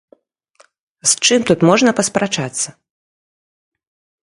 З чым тут можна паспрачацца?